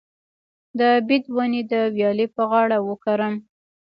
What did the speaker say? د بید ونې د ویالې په غاړه وکرم؟